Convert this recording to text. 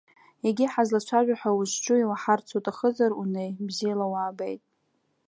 Егьи, ҳазлацәажәо ҳәа узҿу, иуаҳарц уҭахызар, унеи, бзиала уаабеит.